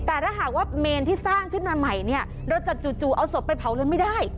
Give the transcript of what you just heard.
แต่ถ้าหากว่าเมนที่สร้างขึ้นมาใหม่เนี่ยเราจะจู่เอาศพไปเผาเลยไม่ได้